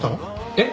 えっ？